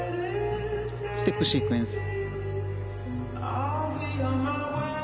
ステップシークエンス。